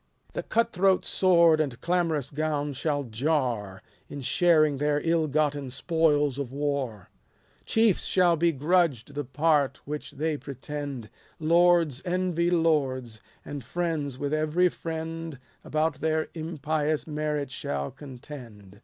The cut throat sword and clamorous gown shall jar, In sharing their ill gotten spoils of war : Chiefs shall be grudged the part which they pretend ; Lords envy lords, and friends with every friend About their impious merit shall contend.